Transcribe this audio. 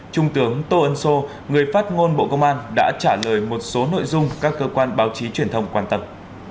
trung tướng tô ân sô người phát ngôn bộ công an đã trả lời một số nội dung các cơ quan báo chí truyền thông quan tâm